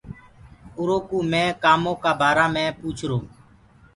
اُرو ڪوُ مي ڪآمونٚ ڪآ بآرآ مي پوُڇرو۔